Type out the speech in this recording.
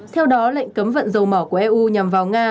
theo đó lệnh cấm vận dầu mỏ của eu nhằm vào nga